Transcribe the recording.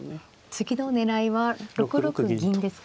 次の狙いは６六銀ですか？